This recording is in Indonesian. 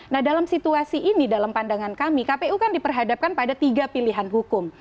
nah dalam situasi ini dalam pandangan kami kpu kan diperhadapkan pada tiga pilihan hukum